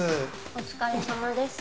お疲れさまです。